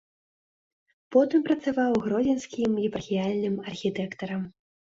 Потым працаваў гродзенскім епархіяльным архітэктарам.